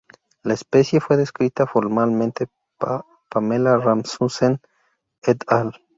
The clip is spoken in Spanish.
La especie fue descrita formalmente por Pamela Rasmussen "et al.